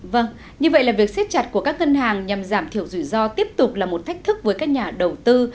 vâng như vậy là việc xếp chặt của các ngân hàng nhằm giảm thiểu rủi ro tiếp tục là một thách thức với các nhà đầu tư